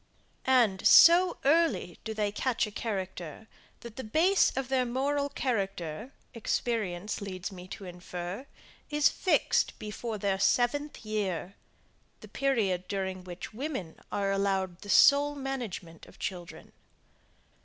And, so early do they catch a character, that the base of the moral character, experience leads me to infer, is fixed before their seventh year, the period during which women are allowed the sole management of children.